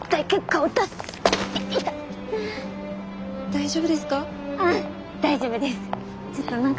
大丈夫です。